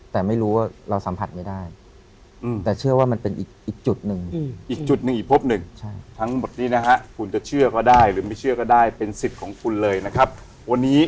แต่ไม่รู้ว่าเราสัมผัสไม่ได้